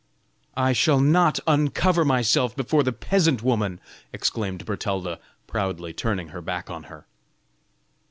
"I shall not uncover myself before the peasant woman!" exclaimed Bertalda, proudly turning her back on her.